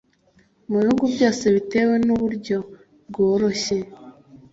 mu bihugu byose, bitewe n’uburyo bworoshye